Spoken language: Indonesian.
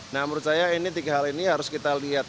nah menurut saya ini tiga hal ini harus kita lihat